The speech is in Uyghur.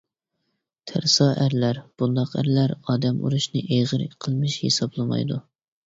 تەرسا ئەرلەر بۇنداق ئەرلەر ئادەم ئۇرۇشنى ئېغىر قىلمىش ھېسابلىمايدۇ.